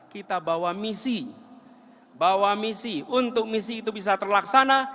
kita bawa misi bawa misi untuk misi itu bisa terlaksana